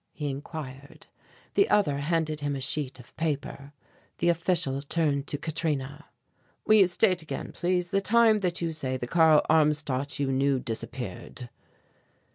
he inquired. The other handed him a sheet of paper. The official turned to Katrina. "Will you state again, please, the time that you say the Karl Armstadt you knew disappeared?"